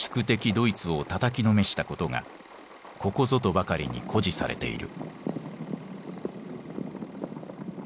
ドイツをたたきのめしたことがここぞとばかりに誇示されている。